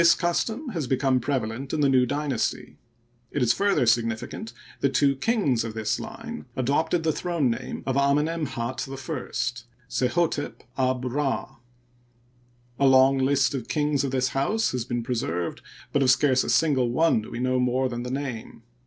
This custom has become prevalent in the new dy nasty. It is further significant that two kings of this line adopted the throne name of Amenemhat I, SehStep ab Rd, A long list of kings of this house has been pre served, but of scarce a single one do we know more than the name.